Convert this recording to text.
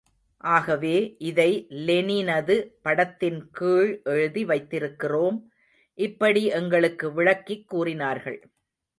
ஆகவே இதை லெனினது படத்தின் கீழ் எழுதி வைத்திருக்கிறோம். இப்படி எங்களுக்கு விளக்கிக் கூறினார்கள்.